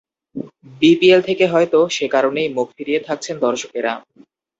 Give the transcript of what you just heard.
BPL থেকে হয়তো সে কারণেই মুখ ফিরিয়ে থাকছেন দর্শকেরা।